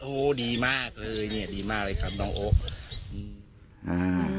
โอ้ดีมากเลยเนี่ยดีมากเลยครับน้องโอ๊ะ